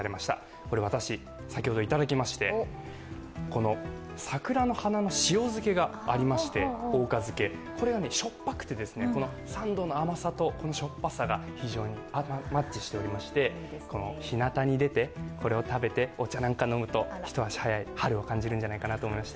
これ私、先ほどいただきまして、桜の花の塩漬けがありまして、これがしょっぱくて、サンドの甘さとしょっぱさが非常にマッチしておりましてひなたに出て、これを食べてお茶なんか飲むと、一足早い春を感じるんじゃないかなと思いまして。